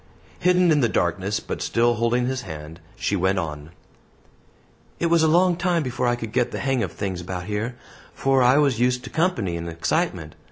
Hidden in the darkness, but still holding his hand, she went on: "It was a long time before I could get the hang of things about yer, for I was used to company and excitement.